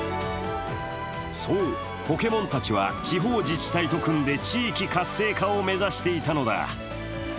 そう、ポケモンたちは地方自治体と組んで地域活性化を目指していたのだ。